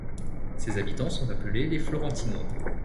Ses habitants sont appelés les Florentinois.